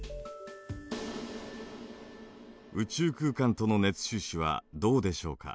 宇宙空間との熱収支はどうでしょうか。